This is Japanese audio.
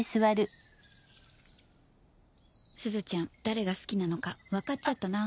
すずちゃん誰が好きなのか分かっちゃったな。